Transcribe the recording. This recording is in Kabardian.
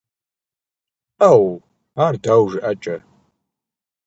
- Ӏэууу! Ар дауэ жыӀэкӀэ?